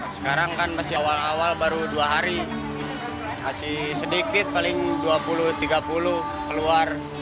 sekarang kan masih awal awal baru dua hari masih sedikit paling dua puluh tiga puluh keluar